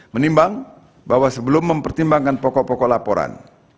menimbang bahwa sebelum mempertimbangkan pokok pokok laporan